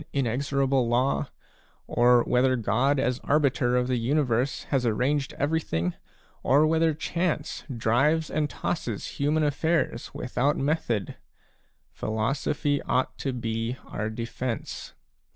inexorable law, or whether God as arbiter of the universe has arranged everything, or whether Chance drives and tosses human affairs without method, philosophy ought to be our defence.